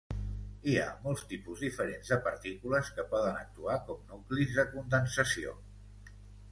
Hi ha molts tipus diferents de partícules que poden actuar com nuclis de condensació.